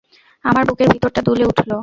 আমার বুকের ভিতরটা দুলে উঠল।